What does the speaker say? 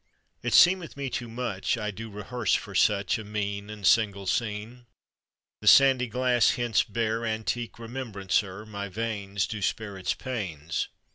It seemeth me too much I do rehearse for such A mean And single scene. The sandy glass hence bear Antique remembrancer; My veins Do spare its pains.